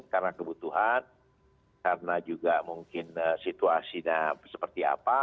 karena kebutuhan karena juga mungkin situasinya seperti apa